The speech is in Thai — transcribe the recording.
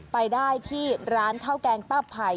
ไปได้ที่ร้านข้าวแกงป้าไผ่